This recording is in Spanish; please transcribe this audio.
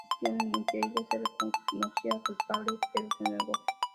Insistieron en que ella se reconociera culpable, pero se negó.